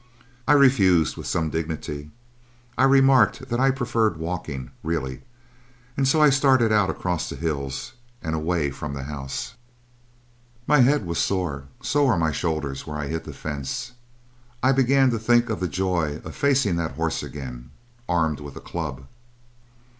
I refused with some dignity. I remarked that I preferred walking, really, and so I started out across the hills and away from the house. My head was sore; so were my shoulders where I hit the fence; I began to think of the joy of facing that horse again, armed with a club.